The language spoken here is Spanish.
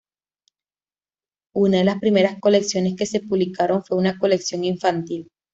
Una de las primeras colecciones que se publicaron fue una colección infantil.